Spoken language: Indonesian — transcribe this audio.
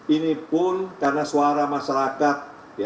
ini pun karena suara masyarakat